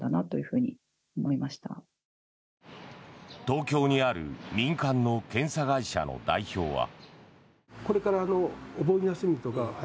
東京にある民間の検査会社の代表は。